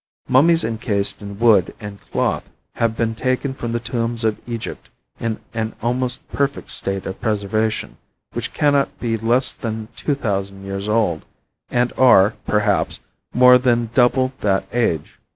Mummies encased in wood and cloth have been taken from the tombs of Egypt in an almost perfect state of preservation which cannot be less than two thousand years old, and are, perhaps, more than double that age.